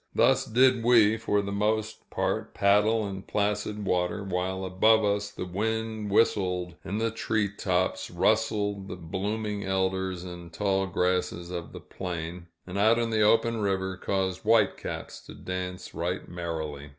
Thus did we for the most part paddle in placid water, while above us the wind whistled in the tree tops, rustled the blooming elders and the tall grasses of the plain, and, out in the open river, caused white caps to dance right merrily.